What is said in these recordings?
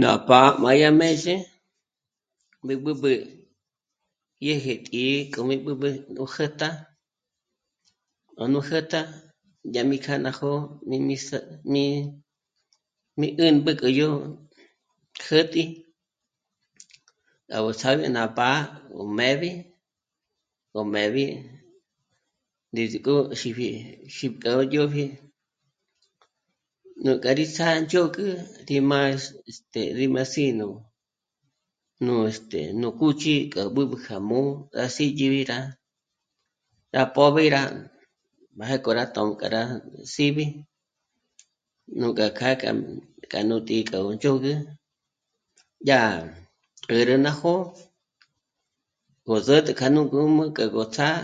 Ná pá'a má yá mêzhe, mí b'ǚb'ü dyä̀jä tǐ'i k'o mí b'ǚb'ü ó jä̀tja, nájnú jä̀'tja dyà mí kjâ'a ná jó'o míjmi sä... sä̀t'ä, mí 'ä̀mbä k'o yó kjä̀tji rá gó sâgü ná pá'a o mé'b'i, gó mé'b'i ndízik'o xípji, xí k'a o ndzhôji. Nú k'a rí sā̂ch'ok'ü má... rí má m'á s'í' nú... nú este... nú kúch'i k'a b'ǚb'ü kja mū̀'ū gá s'ídyi mbé rá... rá pô'b'ü rá má jânk'o rá tö̌mbe kja s'íb'i, nújka kjâ'a kja nú tǐ'i kja gú ndzhûgü yá 'ä̀rä ná jó'o gó zǘtü kja nú ngǔm'ü k'a gó ts'á'a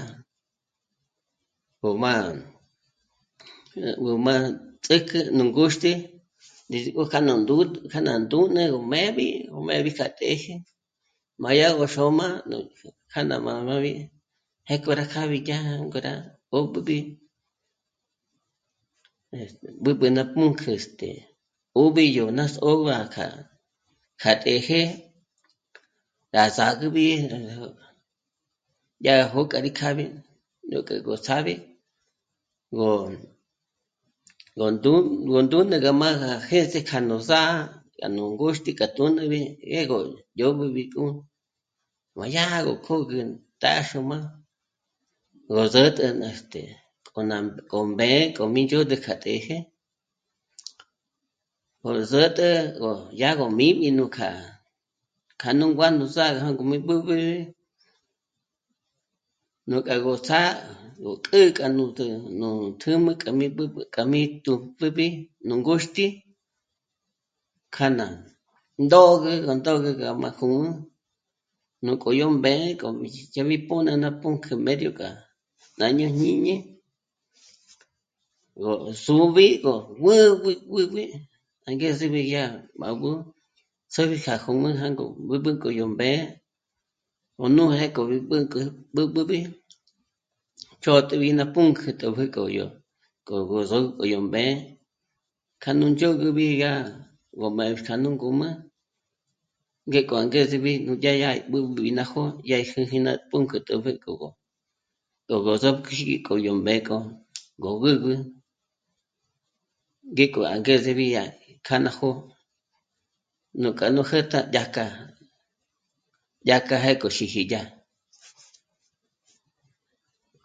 gó má... gó má... ts'ǘkjü ngûxt'i ndízik'o kja nú ndù... kja ná ndùjme rú mé'b'i, rú mé'b'i, k'a të́jë má yá gó xôm'a kja ná má mé'b'i pjéko rá kjâbi yá... ngó rá 'ö́b'übi es... b'ǚb'ü ná pǔnk'ü este... 'ùb'i yó ná só'o gá kja, kja të̌jë rá zàgübi, yá rá jókò ná rí kjâbi, rä́k'ä nú ts'ábi gó... gó ndú... gó ndú né'e ná má'a gá jês'e kja ró zà'a yá nú ngúxti kja tùnüjnubi gó ñó'o yó nú b'íjtu má yá gó kö̌gü tá xûm'a ró zä̀t'ä este... k'o mbé k'o mí ndzhôd'ü kja të̌jë Kjo rú zä̀tä o yá gó míjmi nú kjâ'a, kja nú nguá'a nú zá'a gó mí b'ǚb'ü, nú k'a gó ts'á gó k'ǘ'ü nú tujm'ü kja mí b'ǚb'ü kja mí tùjpjübi nú ngûxti kja ná ndôge, ná ndôge gá má hùmü nú k'o yó mbé k'o 'íxchimi pǘnü ná, ná pǔnk'ü mério kja pa yó jñíñi gó sǔb'i gó b'ǚ... b'ǚb'ü angezeji yá má gú tsǜri kja hùm'ü gú b'ǚb'ü k'o yó mbé 'ùnü pjéko mí bûnk'o b'ǚb'übi chôtübi ná pǔnk'ü yó... k'o yó sǔmpjü yó mbé'e, kja nú ndzhúgübi à kja nú ngǔm'ü ngéko angezebi dyá, dyá b'ǚbi ná jó'o ya í síji ná pǔnk'ü tòpjü k'o gó, k'o gó sôpk'uji k'o yó mbék'o gó b'ǚb'ü, ngéko angezebi kja ná jó'o núkja nú jä̀t'ä k'a yó, dyä̀jkja 'é'e kjo xíji dyá